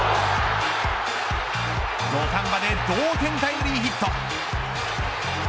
土壇場で同点タイムリーヒット。